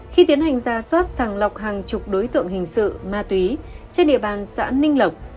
khi tiến hành ra soát sàng lọc hàng chục đối tượng hình sự ma túy trên địa bàn xã ninh lộc